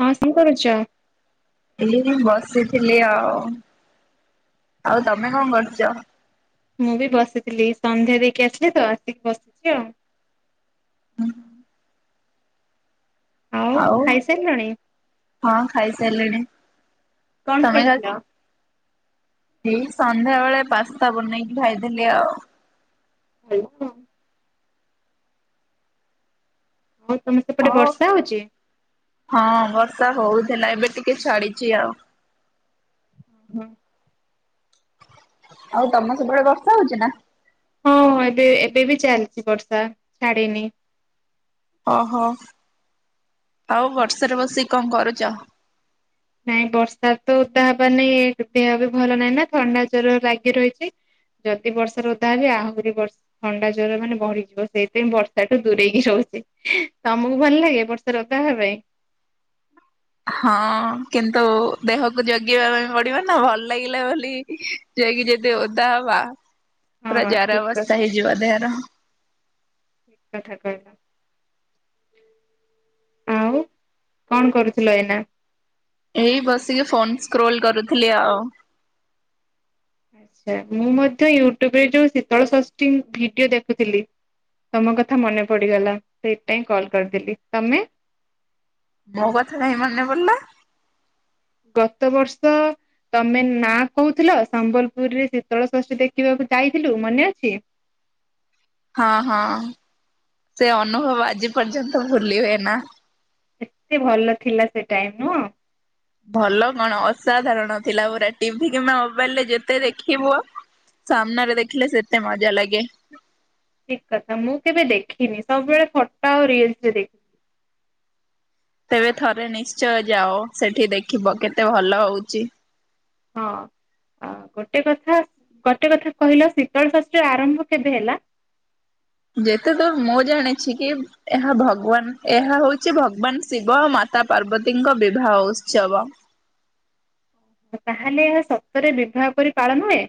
ହଁ କଣ କରୁଛ? ଏଇ ମୁଁ ବସିଥିଲି ଆଉ। ଆଉ ତମେ କଣ କରୁଛ? ଥିଲ ସନ୍ଧ୍ୟା ଦେଇକି ଆସିଲି ତ ଆସିକି ବସିଛି ଆଉ। ହୁଁ। ଆଉ ହଉ ଖାଇସାରିଲଣି ହଁ ଖାଇସାରିଲିଣି। କଣ ଖାଇଥିଲା? ସନ୍ଧ୍ୟାବେଳେ ପାସ୍ତା ବନେଇକି ଖାଇଥଦେଲି ଆଉ। ହ। ହଉ ତମ ସେପଟେ ଆଉ ବର୍ଷା ହଉଚ? ହଁ ବର୍ଷା ହଉଥିଲା ଏବେ ଟିକେ ନା ଏବେ ଟିକେ ଛାଡ଼ିଛି ଆଉ। ଓ ହୁଁ। ଆଉ ତମ ସେପଟେ ବର୍ଷା ହଉଛି ନା? ହଁ ଏବେ ଏବେ ବି ଚାଲିଛି ବର୍ଷା ଛାଡନି। ଓହୋ ଆଉ ବର୍ଷରେ ବସିକି କଣ କରୁଛ? ନାଇଁ ବର୍ଷା ତ ଓଦା ହବ ନାଇଁ ଦେହ ବି ଭଲ ନାହିଁ ନା, ଥଣ୍ଡା ଜ୍ୱର ଲାଗି ରହିଛି, ଯଦି ବର୍ଷା ରେ ଓଦା ହେବି ଆହୁରି ଥଣ୍ଡା ଜ୍ୱର ମାନେ ବଢ଼ି ଯିବ, ସେଇଥିାଇଁ ବର୍ଷାଠୁ ଦୂରେଇକି ରହୁଛି ତମକୁ ଭଲ ଲାଗେ ବର୍ଷାରେ ଓଦା ହେବା ପାଇଁ। ହଁ କିନ୍ତୁ ଦେହକୁ ଜଗିଇବା ପାଇଁ ପଡ଼ିବ ନା ଭଲ ଲାଗିଲା ବୋଲି ଯାଇକି ଯଦି ଓଦା ହବା। ହଁ ଜାର ଠିକ କଥା ଅବସ୍ଥା ହେଇ ଯିବ ଦେହର। ଠିକ କଥା କହିଲ ଆଉ କଣ କରୁଥିଲ ଏଇନା? ଏଇ ବସିକି ଫୋନ ସ୍କ୍ରୋଲ କରୁଥିଲି ଆଉ। ଆଛା ମୁଁ ମଧ୍ୟ ୟୁଟ୍ୟୁବରେ ଯୋଉ ଶୀତଳ ଷଷ୍ଠୀ ଭିଡିଓ ଦେଖୁଥିଲି ତମ କଥା ମନେ ପଡିଗଲା ସେଇଥିପାଇଁ କଲ କରିଦେଥିଲି, ତମେ? ମୋ କଥା କାଇଁ ମନେ ପଡ଼ିଲା? ଗତ ବର୍ଷ ତମେ ନା କହୁଥିଲ ସମ୍ବଲପୁରରେ ଶୀତଳ ଷଷ୍ଠୀ ଦେଖିବାକୁ ଯାଇଥିଲୁ ମନେ ଅଛି। ହଁ ହଁ ସେ ଅନୁଭବ ଆଜି ପର୍ଯ୍ୟନ୍ତ ଭୁଲି ହୁଏ ନା। ଏତେ ଭଲ ଥିଲା ସେ ଟାଇମ ନୁହଁ। ଭଲ କଣ ଅସାଧାରଣ ଥିଲା ପୁରା ଟିଭି କିମ୍ବା ମୋବାଇଲ ରେ ଯେତେ ଦେଖିବୁ ସାମ୍ନାରେ ଦେଖିଲେ ସେତେ ମଜା ଲାଗେ। ଠିକ କଥା ମୁଁ କେବେ ଦେଖିନି ସବୁବେଳେ ଫଟୋ ଆଉ ରିଲସ୍ ଦେଖେ। ତେବେ ଥରେ ନିଶ୍ଚୟ ଯାଅ ସେଠି ଦେଖିବ କେତେ ଭଲ ହଉଛି। ହଁ ଗୋଟେ କଥା ଗୋଟେ କଥା କହିଲ ଶୀତଳ ଶାସ୍ତ୍ରୀରେ ଆରମ୍ଭ କେବେ ହେଲା? ଯେତେ ଦୂର ମୁଁ ଜାଣିଛି କି ଏହା ଭଗବାନ ଏହା ହଉଛି ଭଗବାନ ଶିବ ଆଉ ମାତା ପାର୍ବତୀଙ୍କ ବିବାହ ଉତ୍ସବ। ତାହେଲେ ଏହା ସତରେ ବିବାହ କରି ପାଳନ ହୁଏ?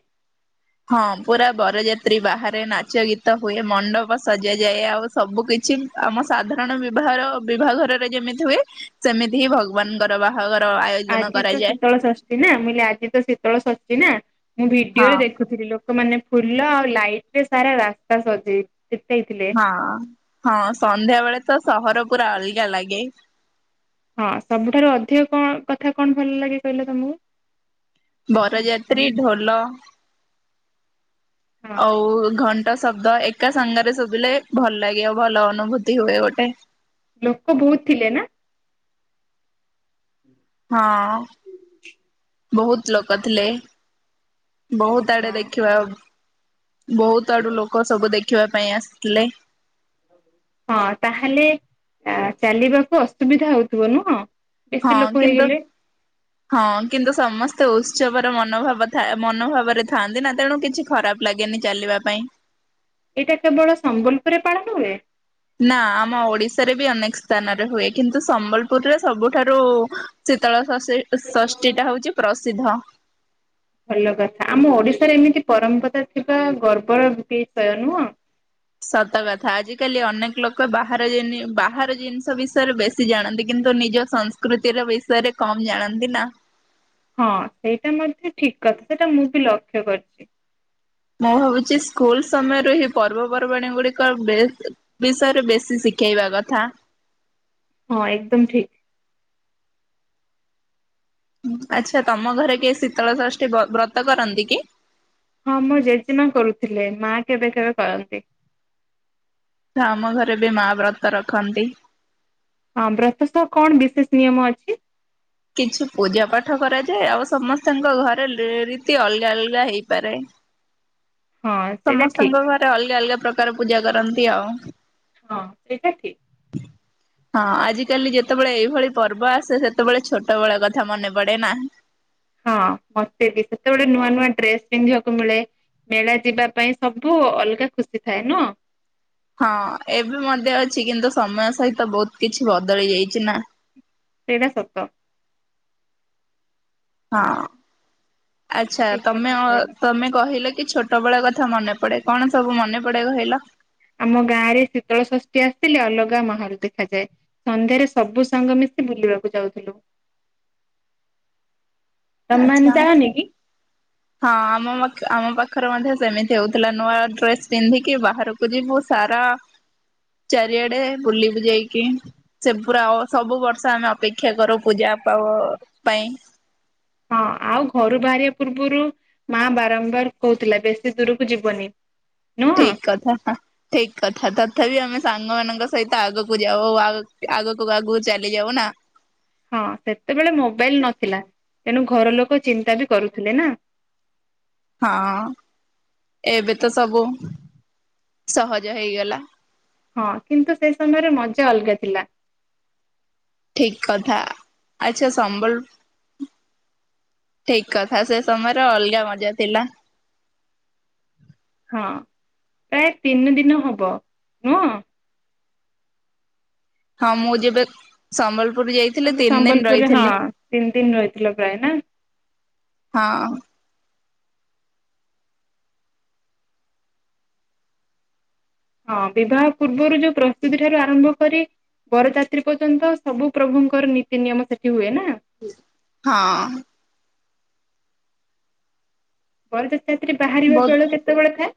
ହଁ ପୁରା ବରଯାତ୍ରୀ ବାହାରେ ନାଚ, ଗୀତ ହୁଏ ମଣ୍ଡପ ସଜା ଯାଏ ଆଉ ସବୁ କିଛି ଆମ ସାଧାରଣ ବିବାହର ବିବାହଘରରେ ଯେମିତି ହୁଏ ସେମିତି ହିଁ ଭଗବାନଙ୍କର ବାହାଘର। ଆୟୋଜନ ଆଜି ତ କରାଯାଏ ଶୀତଳ ଷଷ୍ଠୀ ନା ମୁିଲେ ଆଜି ତ ଶୀତଳ ଷଷ୍ଠୀ। ନା [unintelligible] ମୁଁ ଭିଡିଓ ହଁ ରେ ଦେଖୁଥିଲି ଲୋକମାନେ- ଫୁଲ ଆଉ ଲାଇଟ ରେ ସାରା ରାସ୍ତା ସଜେଇ ସଜେଇଥିଲେ ହଁ ହଁ ସନ୍ଧ୍ୟାବେେଳେ ତ ସହର- ପୁରା ଅଲଗା ଲାଗେ। [inaudible] ହଁ ସବୁଠାରୁ ଅଧିକ କଣ କଥା କଣ ଭଲ ଲାଗେ କହିଲ ତମକୁ? ବରଯାତ୍ରୀ ଢୋଲ ହଁ [inaudible] ଆଉ ଘଣ୍ଟା ଟ ଶବ୍ଦ ଏକା ସାଙ୍ଗରେ ଶୁଭିଲେ ଭଲ ଲାଗେ ଆଉ ଭଲ ଅନୁଭୂତି ହୁଏ ଗୋଟେ। ଲୋକ ବହୁତ ଥିଲେ ନା? ହଁ। ହୁଁ [unintelligible] ବହୁତ ଲୋକ ଥିଲେ। [inaudible] ବହୁତ ଆଡେ ହଁ ଦେଖିବା ଆଉ [inaudible] ବହୁତ ଆଡୁ ଲୋକ ସବୁ ଦେଖ ଖିବା ପାଇଁ ଆସଥିଲେ। ହଁ ତାହେଲେ ଚାଲିବାକୁ ଅସୁବିଧା ହଉଥିବ ନୁହଁ? ବେଶୀ ହଁ ଲୋକ କିନ୍ତୁ ହେଇଗଲେ ହଁ କିନ୍ତୁ ସମସ୍ତେ ଉ ଉତ୍ସବର ମନୋଭାବ ମନୋଭାବରେ ଥାଆନ୍ତି ନା ତେଣୁ କିଛି ଖରାପ ଲାଗେନି ଚାଲିବା ପାଇଁ। ଏଇଟା କେବଳ ସମ୍ବଲପୁରରେ ପାଳନ ହୁଏ? ନା ଆମ ଓଡିଶାରେ ବି ଅନେକ ସ୍ଥାନରେ ହୁଏ କିନ୍ତୁ ସମ୍ବଲପୁରରେ ସବୁଠାରୁ ଶୀତଳ [unintelligible] ଷୀ ଷଷ୍ଠୀ ଟା ହଉଛି ପ୍ରସିଦ୍ଧ। ଭଲ କଥା ଆମ ଓଡିଶାରେ ଏମିତି ପରମ୍ପରା ଥିବା ଗର୍ବର ବିଷୟ ନୁହଁ? ସତ କଥା ଆଜ କାଲି ଅନେକ ଲୋକ ବାହ [unintelligible] ବାହାର ଜିନିଷ ବି ଷରେ ବେଶୀ ଜାଣନ୍ତି କିନ୍ତୁ ନିଜ ସଂସ୍କୃତିର ବିଷୟରେ କମ ଜାଣନ୍ତି ନା? ହଁ ସେଇଟା ମଧ୍ୟ ଠିକ କଥା ସେଇଟା ମୁଁ ବି ଲକ୍ଷ୍ୟ କରିଛି। ମୁଁ ଭାବୁଛି ସ୍କୁଲ ସମୟରୁ ଏହି ପର୍ବପର୍ବାଣୀ ଗୁଡିକ ବେଶ୍ ବିଷୟରେ ବେଶୀ ଶିଖେଇବା କଥା। ହଁ ଏକଦମ ଠିକ। ଆଚ୍ଛା ତମ ଘରେ କିଏ ଶୀତଳ ଷଷ୍ଠୀ ବ ବ୍ରତ କରନ୍ତି କି? ହଁ ମୋ ଜେଜେମା କରୁଥିଲେ ମା କେବେ କେବେ କରନ୍ତି। ଆାମ ଘରେ ବି ମା ବ୍ରତ ରଖନ୍ତି। ହଁ ବ୍ରତସ୍ କଣ ବିଶେଷ ନିୟମ ଅଛି। କିଛି ପୂଜା ପାଠ କରାଯାଏ ଆଉ ସମସ୍ତଙ୍କ ଘରେ ରୀତି ଅଲଗା ଅଲଗା ହେଇପାରେ। ହଁ ସେଇଟା ଠିକ ସମସ୍ତଙ୍କ ଘରେ ଅଲଗା ଅଲଗା। ପ୍ରକାର ପୂଜା କରନ୍ତି ଆଉ। ହଁ ତ୍ରିଚାଠୀ। ହଁ ଆଜିିକାଲି ଯେତେବେଳେ ଏଇଭଳି ପର୍ବ ଆସେ ସେତେବେଳେ ଛୋଟ ବେଳକଥା ମନେ ପଡେ ନା। ହଁ ମତେ ବି ସେତେବେଳେେ ନୂଆ ନୂଆ ଡ୍ରେସ ପିନ୍ଧିବାକୁ ମିଳେ ମେଳା ଯିବା ପାଇଁ ସବୁ ଅଲଗା ଖୁସି ଥାଏ ନୁହେଁ। ହଁ ଏବେ ମଧ୍ୟ ଅଛି କିନ୍ତୁ ସମୟ ସହିତ ବହୁତ କିଛି ବଦଳି ଯାଇଛି ନା। ଏଇଟା ସତ। ହଁ। ଆଚ୍ଛା ଠିକ କଥା ତମେ କହିଲ ଅ ତମେ କହିଲ କି ଛୋଟ ପ୍ରବଳ କଥା ମନେ ପଡେ କଣ ସବୁ ମନେ ପଡେ କହିଲ? ଆମ ଗାଁରେ ଶୀତଳ ଷଷ୍ଠୀ ଆସିଥିଲେ ଅଲଗା ମାହଲ ଦେଖାଯାଏ ସନ୍ଧ୍ୟାରେ ସବୁ ସାଙ୍ଗ ମିଶି ବୁଲିବାକୁ ଯାଉଥିଲୁ। ତମେମାନେ ଆଛା ଯାଅନି କି? ହଁ ଆମ ପାଖ ଆମ ପାଖ ପାଖରେ ମଧ୍ୟ ସେମିତି ହଉଥିଲା ନୂଆ ଡ୍ରେସ ପିନ୍ଧିକି ବାହାରକୁ ଯିବୁ ସାରା ଚାରିଆଡେ ବୁଲି ବୁ ଯେଇକି ସେ ପୁରା ଆଉ ସବୁ ବର୍ଷ ଆମେ ଅପେକ୍ଷା କରୁ ପୂଜା ପା ପାଇଁ। ହଁ ଆଉ ଘରୁ ବାହାରିବା ପୂର୍ବରୁ ମା ବାରମ୍ବାର କହୁଥିଲା ବେଶୀ ଦୂରକୁ ଯିବନି। ନୁହଁ ଠିକ୍ କଥା ଠିକ୍ କଥା ତଥାପି ଆମେ ସାଙ୍ଗ ମାନଙ୍କ ସହିତ ଆଗକୁ ଯାଉ ଆଗକୁ ଆଗକୁ ଚାଲି ଯାଉ ନା। ହଁ ସେତେବେଳେ ମୋବାଇଲ ନଥିଲା। ତେଣୁ ଘର ଲୋକ ଚିନ୍ତା ବି କରୁଥିଲେ ନା? ହଁ ଏବେ ତ ସବୁ ସହଜ ହେଇଗଲା। ହଁ କିନ୍ତୁ ସେ ସମୟରେ ମଜା ଅଲଗା ଥିଲା। ଠିକ କଥା ଆଚଛା ସମ୍ବଲୁର ଠିକ କଥା ସେ ସମୟରେ ଅଲଗା ମଜା ଥିଲା। ହଁ ପ୍ରାୟ ତିନି ଦିନ ହବ ନୁହ। ହଁ ମୁଁ ଯେବେ ସମ୍ବଲପୁର ଯାଇଥିଲି ତମେ ତିନି ଦିନ ସମ୍ବଲପୁରରେ ହଁ ରହିଥିଲି ତିନି ଦିନ ରହିଥିଲ ପ୍ରାୟ ନା ହଁ ହ। ହଁ ବିବାହ ପୂର୍ବରୁ ଯୋଉ ପ୍ରସ୍ତୁତି ଠାରୁ ଆରମ୍ଭ କରି ବରଯାତ୍ରୀ ପର୍ଯ୍ୟନ୍ତ ସବୁ ପ୍ରଭୁଙ୍କର ନୀତି ନିୟମ ସେଠି ହୁଏ ନା। ହଁ। ବତ ସେଥିରେ ବାହାରିବା ବହୁତ ବେଳ କେତେବେଳେ ଥାଏ।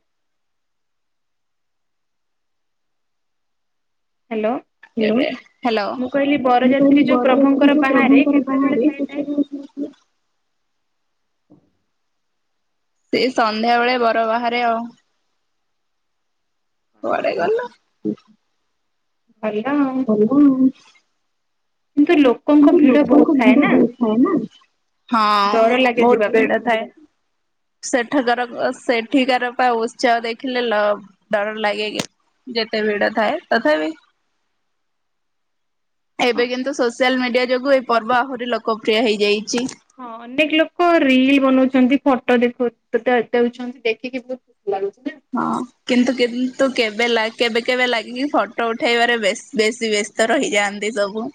ହ୍ୟାଲୋ। ହ୍ୟାଲୋ କହିଲି ମୁଁ ବରଯାତ୍ରୀ କହିଲି ଯୋଉ ବରଯାତ୍ରୀ ପ୍ରଭୁଙ୍କର ଯୋ ବାହାରେ ପ୍ରଭୁଙ୍କର କେତେବେଳେ ବାହାରେ ଥାଏ ଟାଇମ୍? [inaudible] [inaudible] ସେ ସନ୍ଧ୍ୟା ବେଳେ ବର ବାହାରେ ଆଉ। କୁଆଡେ ଗଲା? ଭଲ ଆଉ ହେଲୋ। କିନ୍ତୁ ଲୋକଙ୍କ କିତି ଭିଡ ବହୁତ ଲୋକଙ୍କ ଥାଏ ଭିଡ ନା ବହୁଥାଏ ନା? ହଁ ଡର ଲାଗେ ଯିବା ବହୁତ ପାଇଁ। ପୀଡା ଥାଏ ସେଠକାର ସେଠିକାର ପା ଉତ୍ସାହ ଦେଖିଲେ ଲ- ଡର ଲାଗେ କି ଯେତେ ଭିଡ ଥାଏ ତଥାପି ଏବେ କିନ୍ତୁ ସୋସିଆଲ ସୋସିଆଲ୍ ମିଡ଼ିଆ ଯୋଗୁଁ ଏହି ପର୍ବ ଆହୁରି ଲୋକପ୍ରିୟ ହୋଇଇଯାଇଛି। ହଁ ଅନେକ ଲୋକ ରିଲ ବନଉଛନ୍ତି ଫଟୋ ଦେଖ ଦେଉଛନ୍ତି ଦେଖିକି ବହୁତ ଖୁସି ଲାଗୁଚି। ହଁ କିନ୍ତୁ କିନ୍ତୁ କେବେ କେବେ କେବେ ଲାଗିକି ଫଟୋ ଉଠେଇବାରେ ବ ବେଶୀ ବ୍ୟସ୍ତ ରହିଯାଆନ୍ତି ସବୁ।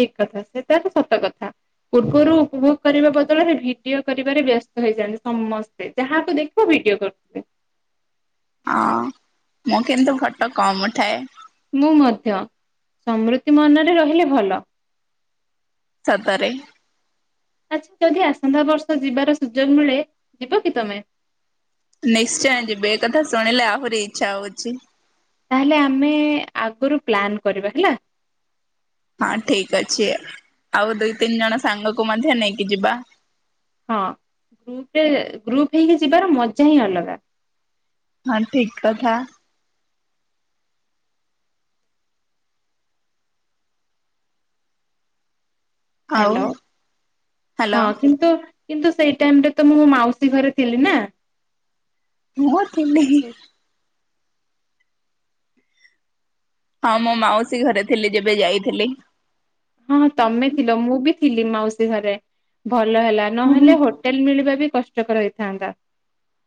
ଠିକ କଥା ସେଟା ତ ସତ କଥା ପୂର୍ବରୁ ଉପଭୋଗ କରିବା ବଦଳରେ ଭିଡିଓ କରିବାରେ ବ୍ୟସ୍ତ ହେଇଯାନ୍ତି ସମସ୍ତେ ଯାହାକୁ ଦେଖିବ ଭିଡିଓ କରୁଥିବେ। ହଁ ମୁଁ କିନ୍ତୁ ଫଟ କମ ଉଠାଏ। ମୁଁ ମଧ୍ୟ ସମୃତି ମନରେ ରହିଲେ ଭଲ। ସତାରେ। ଆଚ୍ଛା ଯଦି ଆସନ୍ତା ବର୍ଷ ଯିବାର ସୁଯୋଗ ମିଳେ ଯିବ କି ତମେ? ନିଶ୍ଚୟ ଯିବି ଏ କଥା ଶୁଣିଲେ ଆହୁରି ଇଚ୍ଛା ହଉଛି। ତାହଲେ ଆମେ ଆଗରୁ ପ୍ଲାନ୍ କରିବା ହେଲା। ହଁ ଠିକ ଅଛି ଆଉ ଦୁଇ ତିନି ଜଣ ସାଙ୍ଗକୁ ମଧ୍ୟ ନେଇକି ଯିବା। ହଁ ଗ୍ରୁପରେ ଗ୍ରୁପ ହେଇକି ଯିବାର ମଜା ହିଁ ଅଲଗା। ହଁ ଠିକ କଥା। ଆଉ ହ୍ୟାଲୋ ହଁ ହ୍ୟାଲୋ କିନ୍ତୁ କିନ୍ତୁ ସେଇ ଟାଇମ ରେ ତ ମୁଁ ମାଉସୀ ଘରେ ଥିଲି ନା। ସେ [unintelligible] ହଁ ମୋ ମାଉସୀ ଘରେ ଥିଲି ଯେବେ ଯାଇଥିଲି। ହଁଁ ତମେ ଥିଲ ମୁଁ ବି ଥିଲି ମାଉସୀ ଘରେ। ଭଲ ହେଲା ହଁ ନହେଲେ ହୋଟେଲ ମିଳିବା ବି କଷ୍ଟକର ହେଇଥାନ୍ତା।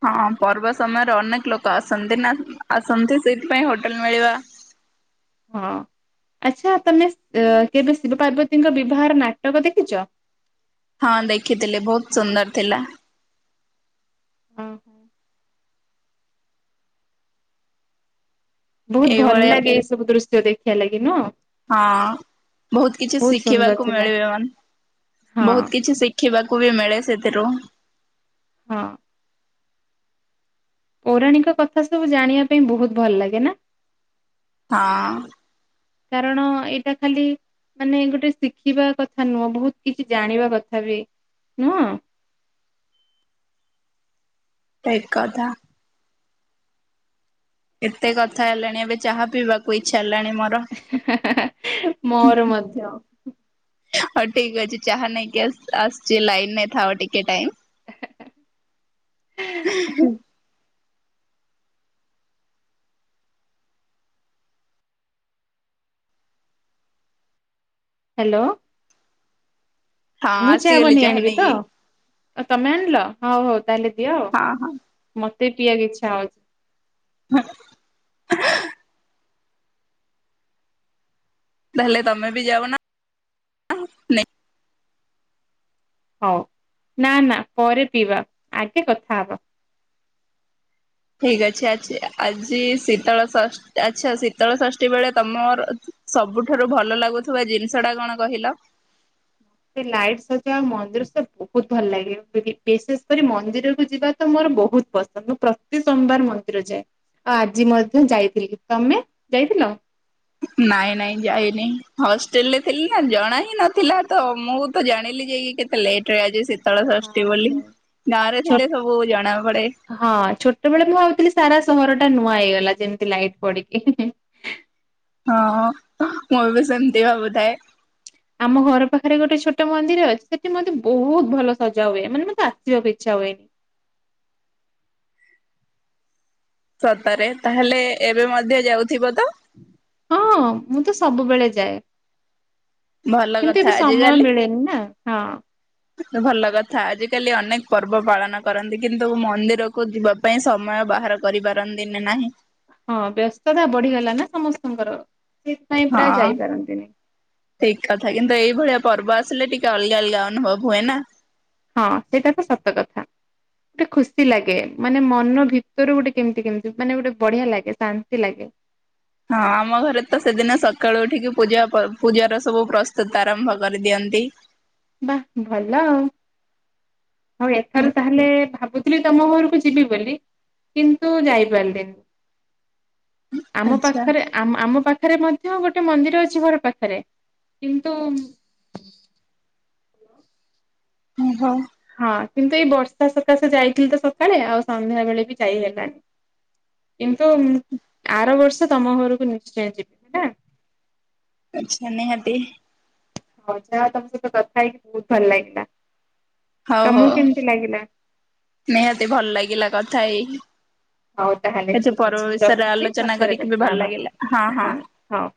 ହଁ ପର୍ବ ସମୟରେ ଅନେକ ଲୋକ ଆସନ୍ତି ନା ଆସନ୍ତି ସେଥିପାଇଁ ହୋଟେଲ ମିଳିବା ହଁ ଆଚ୍ଛା ତମେ କେବେ ଶିବ ପାର୍ବତୀଙ୍କ ବିବାହର ନାଟକ ଦେଖିଛ? ହଁ ଦେଖିଥିଲେ ବହୁତ ସୁନ୍ଦର ଥିଲା। ଓ ହୋ। ବହୁତ ଭଲ ଏଇଭଳିଆ ଲାଗେ ଏ ସବୁ ଦୃଶ୍ୟ ଦେଖି। ବଢ଼ିଆ ଲାଗେ ମୁହଁ। ହଁ ବହୁତ କିଛି ସୁନ୍ଦର ଶିଖିବାକୁ ଥିଲା ମିଳିବ ମାନ ହଁ ବହୁତ କିଛି ଶିଖିବାକୁ ବି ମିଳେ ସେଥିରୁ। ହଁ। ପୌରାଣିକ କଥା ସବୁ ଜାଣିବା ପାଇଁ ବହୁତ ଭଲ ଲାଗେ ନା। ହଁ। କାରଣ ଏଇଟା ଖାଲି ମାନେ ଗୋଟେ ଶିଖିବା କଥା ନୁହଁ ବହୁତ କିଛି ଜାଣିବା କଥା ବି ନୁହଁ। ଠିକ୍ କଥା। ଏତେ କଥା ହେଲାଣି ଏବେ ଚାହା ପିଇବାକୁ ଇଚ୍ଛା ହେଲାଣି। ମୋର ମୋର ମଧ୍ୟ। ହଁ ଠିକ ଅଛି ଚାହା ନେଇାଇଁକି ଆସୁଛି ଲାଇନ ନେ ଥାଅ ଟିକେ ଟାଇମ। [inaudible] ହେଲୋ। ହଁ ମୁଁ ଚା ଆସିଗଲି ବନେଇକି ଚାହା ଆଣିବି ତ? ନେଇକି। ତମେ ଆଣିଲ? ତାହେଲେ ଦିଅ ହଁ ହଁ ମତେ । ସେ ପି ବାକୁ ଇଚ୍ଛା ହଉଚି। ହ [unintelligible] ତାହେଲେ ତମେ ବି ଯାଉନ ନେ ହଉ ନା ନା ପରେ ପିଇବା ଆଗେ କଥା ହବା। ଠିକ ଅଛି ଆଛି ଆଜି ଶୀତଳ ଷଷ୍ଠ ଆଚ୍ଛା ଶୀତଳ ଷଷ୍ଠୀ ବେଳେ ତମର ସବୁଠାରୁ ଭଲ ଲାଗୁଥିବା ଜିନିଷ ଟା କଣ କହିଲ? ମତେ ଲାଇଟ୍ ସଜେଇବା ଆଉ ମନ୍ଦିର ସ ବହୁତ ଭଲ ଲାଗେ ବି ବି ବିଶେଷ କରି ମନ୍ଦିରକୁ ଯିବା ତ ମୋର ବହୁତ ପସନ୍ଦ ମୁଁ ପ୍ରତି ସୋମବାର ମନ୍ଦିର ଯାଏ ଆଉ ଆଜି ମଧ୍ୟ ଯାଇଥିଲି ତମେ ଯାଇଥିଲ। ନାଇଁ ନାଇଁ ଯାଇନି ହଷ୍ଟେଲ ରେ ଥିଲି ନା ଜଣା ହିଁ ନଥିଲା ତ ମୁଁ ତ ଜାଣିଲି ଯାଇକି କେତେ ଲେଟରେ ଆଜି। ଶୀତଳ ଷଷ୍ଠୀ ବୋଲି। ଗାଁ ରେ ଥିଲେ ସବୁ ଜଣା ପଡେ ଛୋଟ୍ ହଁ ଛୋଟବେଳେ ମୁଁ ଥିଲି ସାରା ସହର ଟା ନୂଆ ହେଇଗଲା ଯେମିତି ଲାଇଟ୍ ପଡିକି ହଁ ମୁଁ ବି ସେମତି ଭାବୁଥାଏ। ଆମ ଘର ପାଖରେ ଗୋଟେ ଛୋଟ ମନ୍ଦିର ଅଛି ସେଠି ମତେ ବହୁତ ଭଲ ସଜା ହୁଏ ମାନେ ମତେ ଆସିବାକୁ ଇଚ୍ଛା ହୁଏନି। ସତରେ ତାହେଲେ ଏବେ ମଧ୍ୟ ଯାଉଥିବ ତ ହଁ ମୁଁ ତ ସବୁବେଳେ ଯାଏ। ଭଲ କିନ୍ତୁ କଥା ଏବେ ସମୟ ଆଜିକାଲି ମିଳେନି ନା ହଁ ଭଲ କଥା ଆଜିକାଲି ଅନେକ ପର୍ବ ପାଳନ କରନ୍ତି କିନ୍ତୁ ମନ୍ଦିରକୁ ଯିବା ପାଇଁ ସମୟ ବାହାର କରିପାରନ୍ତିନି ନାହିଁ। ହଁ ବ୍ୟସ୍ତତା ବଢିଗଲା ନା ସମସ୍ତଙ୍କର ସେଇଥିପାଇଁ ପ୍ରାୟ ହଁ ଯାଇପାରନ୍ତିନି। ଠିକ କଥା କିନ୍ତୁ ଏଇଭଳିଆ ପର୍ବ ଆସ ଆସିଲେ ଟିକେ ଅଲଗା ଅଲଗା ଅନୁଭବ ହୁଏ ନା। ହଁ ସେଇଟା ତ ସତ କଥା ଗୋଟେ ଖୁସି ଲାଗେ ମାନେ ମନ ଭିତରୁ ଗୋଟେ କେମିତି କେମିତି ମାନେ ଗୋଟେ ବଢିଆ ଲାଗେ ଶାନ୍ତି ଲାଗେ। ହଁ ଆମ ଘରେ ତ ସେଦିନ ସକାଳୁ ଉଠିକି ପୂଜା ପର୍ବ ପୂଜାର ସବୁ ପ୍ରସ୍ତୁତ ଆରମ୍ଭ କରିଦିଅନ୍ତି। ବାଃ ଭଲ ଆଉ। ହଉ ଏଠାରୁ ତାହେଲେ ଭାବୁ ତମ ଘରକୁ ଯିବି ବୋଲି କିନ୍ତୁ ଯାଇପାରିଲିନି। ଆମ ଆଚ୍ଛା ପାଖରେ ଆମ ଆମ ପାଖ ପାଖରେ ମଧ୍ୟ ଗୋଟେ ମନ୍ଦିର ଅଛି ଘର ପାଖରେ କିନ୍ତୁ ହୁଁ ହୁଁ। ହଁ କିନ୍ତୁ ଏଇ ବର୍ଷା ସକାଶେ ଯାଇଥିଲି ତ ସକାଳେ ଆଉ ସନ୍ଧ୍ୟା ବେଳେ ବି ଯାଇ ହେଲଣିି କିନ୍ତୁ ଆର ବର୍ଷ ତମ ଘରକୁ ନିଶ୍ଚୟ ଯିବି ହେଲା। ଆଛା ନିହାତି ହ ଯାଅ ତମ ସହିତ କଥା ହେଇକି ବହୁତ ଭଲ ଲାଗିଲା। ହଉ ତମକୁ ହଉ କେମିତି ଲାଗିଲା? ନିହାତି ଭଲ ଲାଗିଲା କଥା ହେଇକି। ହଉ ତାହେଲେ ଠିକ ଅଛି, ମୁଁ ବିଷୟରେ ରଖୁଛି ଆଲୋଚନା ପଛରେ କରିକି ବି କଥା ଭଲ ହବା ଲାଗିଲା ହଁ ହଁ।